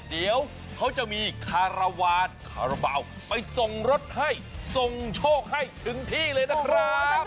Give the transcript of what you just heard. เดี๋ยวเขาจะมีคารวาลคาราบาลไปส่งรถให้ส่งโชคให้ถึงที่เลยนะครับ